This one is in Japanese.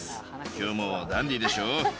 今日もダンディーでしょ。